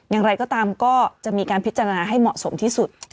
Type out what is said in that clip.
อย่างไรก็ตามก็จะมีการพิจารณาให้เหมาะสมที่สุด